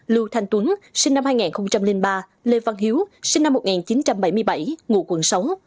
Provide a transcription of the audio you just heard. lưu thanh tuấn sinh năm hai nghìn ba lê văn hiếu sinh năm một nghìn chín trăm bảy mươi bảy ngụ quận sáu